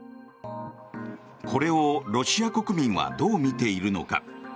これをロシア国民はどう見ているのか。